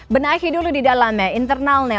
benahi dulu di dalamnya internalnya